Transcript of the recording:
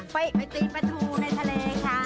ไปตีปลาทูในทะเลค่ะ